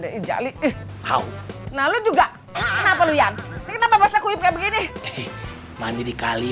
dari jali ih hau nah lu juga kenapa lu yang kenapa bahasa kuipnya begini mandi di kali